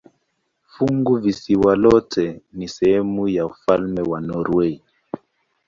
Funguvisiwa lote ni sehemu ya ufalme wa Norwei.